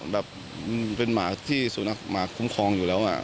แบบมันเป็นหมาที่สุนัขหมาคุ้มครองอยู่แล้ว